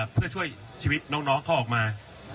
เพื่อช่วยชีวิตน้องเขาออกมา